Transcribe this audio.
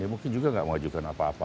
mungkin juga nggak mengajukan apa apa